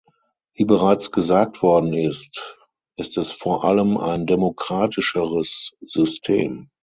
Wie bereits gesagt worden ist, ist es vor allem ein demokratischeres System.